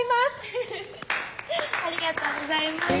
ウフフありがとうございます。